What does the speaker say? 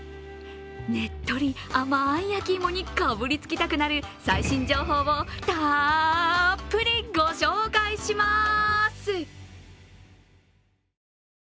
ねっとり甘い焼き芋にかぶりつきたくなる最新情報をたっぷりご紹介します！